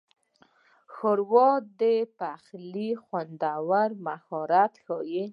ښوروا د پخلي خوندور مهارت ښيي.